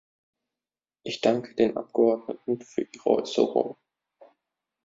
Ich danke den Abgeordneten für ihre Äußerungen.